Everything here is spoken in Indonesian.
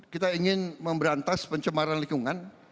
kita ingin memberantas pencemaran lingkungan